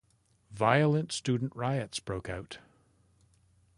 Violent student riots broke out.